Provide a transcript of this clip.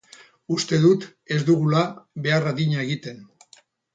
Uste dut ez dugula behar adina egiten.